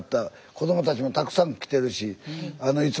子どもたちもたくさん来てるし。